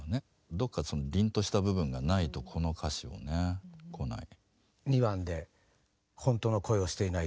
どっかりんとした部分がないとこの歌詞はね来ない。